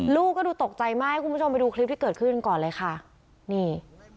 ลูกก็ดูตกใจมากให้คุณผู้ชมไปดูคลิปที่เกิดขึ้นก่อนเลยค่ะนี่